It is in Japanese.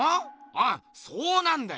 あっそうなんだよ！